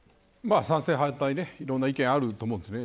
賛成、反対いろんな意見があると思うんですね。